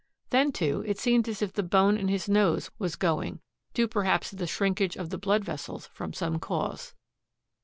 Then, too, it seemed as if the bone in his nose was going, due perhaps to the shrinkage of the blood vessels from some cause.